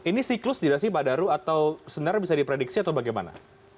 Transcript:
ini siklus tidak sih pak daru atau sebenarnya bisa diprediksi atau bagaimana